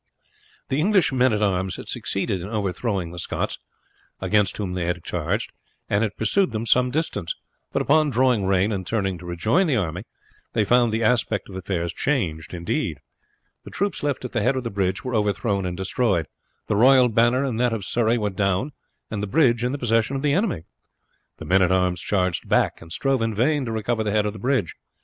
The English men at arms had succeeded in overthrowing the Scots, against whom they had charged, and had pursued them some distance; but upon drawing rein and turning to rejoin the army, they found the aspect of affairs changed indeed. The troops left at the head of the bridge were overthrown and destroyed. The royal banner and that of Surrey were down, and the bridge in the possession of the enemy. The men at arms charged back and strove in vain to recover the head of the bridge.